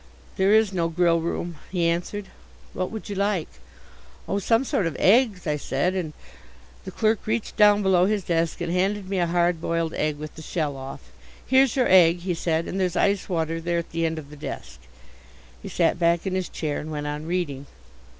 "There is no grill room," he answered. "What would you like?" "Oh, some sort of eggs," I said, "and " The clerk reached down below his desk and handed me a hard boiled egg with the shell off. "Here's your egg," he said. "And there's ice water there at the end of the desk." He sat back in his chair and went on reading.